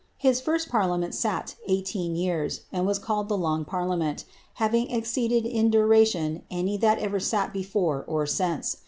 His first t sat eighteen years, and was called the long parliament, hav Jed in duration any that ever sat before, or since.